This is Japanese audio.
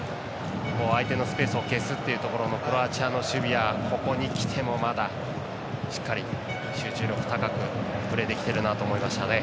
相手のスペースを消すというところのクロアチアの守備はここにきても、まだしっかり集中力、高くプレーできているなと思いました。